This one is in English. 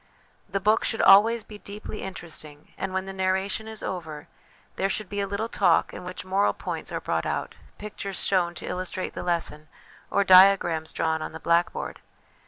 The book should always be deeply interesting, and when the narration is over, there should be a little talk in which moral points are brought out, pictures shown to illustrate the lesson, or diagrams drawn on the blackboard.